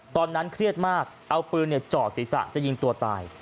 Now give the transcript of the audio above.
ตอนนั้นเครียดมากเอาปืนเจาะศีรษะจะยิงตัวตาย